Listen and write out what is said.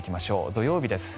土曜日です。